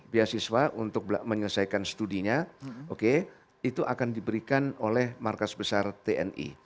beasiswa untuk menyelesaikan studinya oke itu akan diberikan oleh markas besar tni